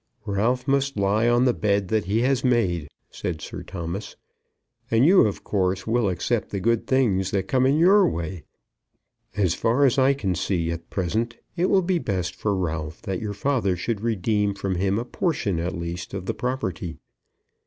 "Ralph must lie on the bed that he has made," said Sir Thomas. "And you, of course, will accept the good things that come in your way. As far as I can see at present it will be best for Ralph that your father should redeem from him a portion, at least, of the property.